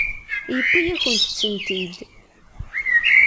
Yuwi-akent-tent-id.